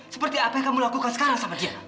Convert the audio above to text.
seperti apa yang kamu lakukan sekarang sama kita